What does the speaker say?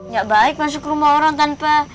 gak baik masuk rumah orang tanpa ijazah